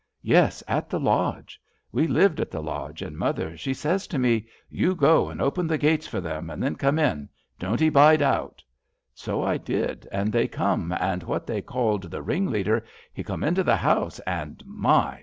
Yes, at the lodge. We lived at the lodge, and mother she says to me :* You go and open the gates for them and then come in ; don't 'ee bide out.' So I did, and they come, and what they called the ringleader he come into the house, and my